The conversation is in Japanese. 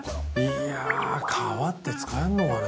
いや皮って使えんのかね